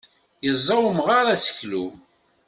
Yeẓẓa umɣar aseklu.